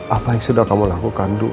apa yang sudah kamu lakukan